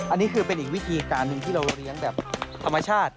อันนี้คือเป็นอีกวิธีการหนึ่งที่เราเลี้ยงแบบธรรมชาติ